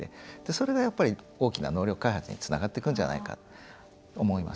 それが、やっぱり大きな能力開発につながっていくんじゃないかと思います。